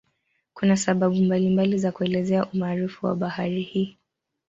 Kuna sababu mbalimbali za kuelezea umaarufu wa bahari hii.